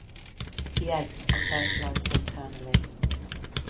The eggs are fertilised internally.